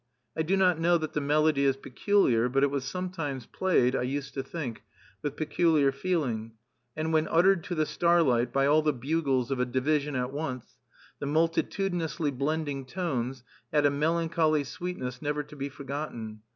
I do not know that the melody is peculiar; but it was sometimes played, I used to think, with peculiar feeling; and when uttered to the starlight by all the bugles of a division at once, the multitudinously blending tones had a melancholy sweetness never to be forgotten.